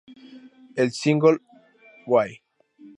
El single "Why?